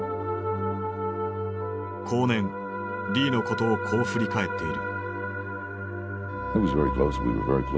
後年リーのことをこう振り返っている。